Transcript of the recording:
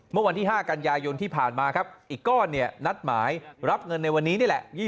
เมื่อวันที่๕กันยายนที่ผ่านมาครับอีกก้อนเนี่ยนัดหมายรับเงินในวันนี้นี่แหละ